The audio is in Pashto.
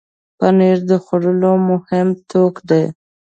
پنېر د خوړو مهم توکی دی.